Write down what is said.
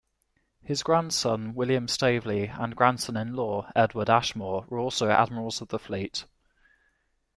His grandson William Staveley and grandson-in-law Edward Ashmore were also Admirals of the Fleet.